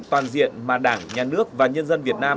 toàn diện mà đảng nhà nước và nhân dân việt nam